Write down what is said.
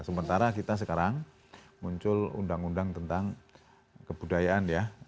sementara kita sekarang muncul undang undang tentang kebudayaan ya